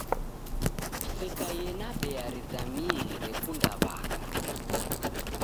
Kusekaie na bea rizamie rekunda w'aka